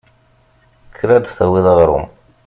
Kker ad d-tawiḍ aɣrum.